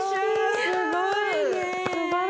すごいね。